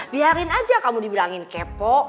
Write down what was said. biarin aja kamu dibilangin kepo